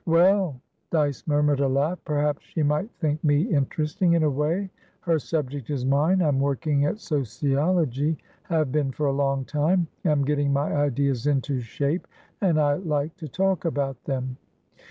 "Well"Dyce murmured a laugh"perhaps she might think me interesting, in a way. Her subject is mine. I'm working at sociology; have been for a long time. I'm getting my ideas into shape, and I like to talk about them."